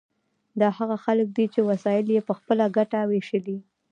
دا هغه خلک دي چې وسایل یې په خپله ګټه ویشلي.